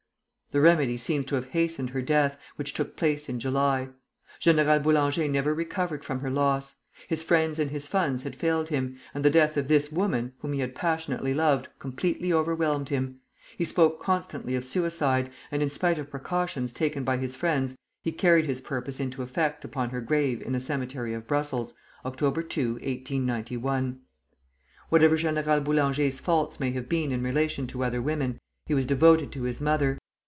The remedy seems to have hastened her death, which took place in July. General Boulanger never recovered from her loss. His friends and his funds had failed him, and the death of this woman, whom he had passionately loved, completely overwhelmed him. He spoke constantly of suicide, and in spite of precautions taken by his friends, he carried his purpose into effect upon her grave in the cemetery of Brussels, October 2, 1891. Whatever General Boulanger's faults may have been in relation to other women, he was devoted to his mother.